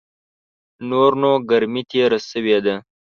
نور نو ګرمي تېره سوې ده .